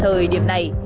thời điểm này